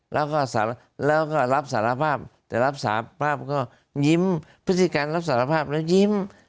แล้วก็รับสารภาพแต่รับสารภาพก็ยิ้ม